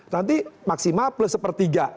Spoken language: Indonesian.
nanti maksimal plus sepertiga